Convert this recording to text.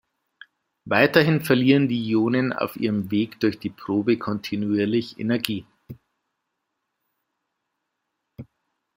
Weiterhin verlieren die Ionen auf ihrem Weg durch die Probe kontinuierlich Energie.